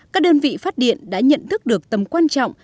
các đơn vị phát điện đã nhận thức được tầm quan trọng